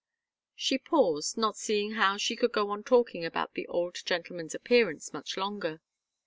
She paused, not seeing how she could go on talking about the old gentleman's appearance much longer.